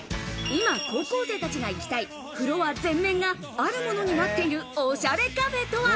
今高校生たちが行きたい、フロア全面があるものになっているおしゃれカフェとは？